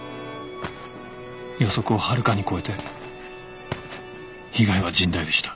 予測をはるかに超えて被害は甚大でした。